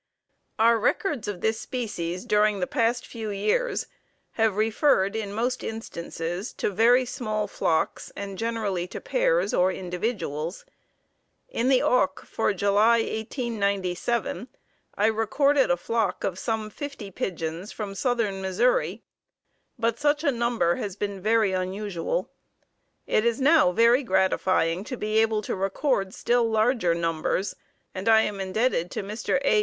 Our records of this species during the past few years have referred in most instances, to very small flocks and generally to pairs or individuals. In The Auk for July, 1897, I recorded a flock of some fifty pigeons from southern Missouri, but such a number has been very unusual. It is now very gratifying to be able to record still larger numbers and I am indebted to Mr. A.